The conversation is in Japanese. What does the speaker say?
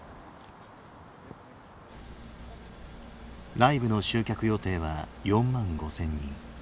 ライブの集客予定は４万５，０００人。